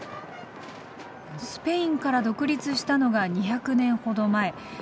スペインから独立したのが２００年ほど前。